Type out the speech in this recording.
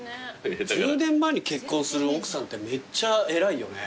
１０年前に結婚する奥さんってめっちゃ偉いよね。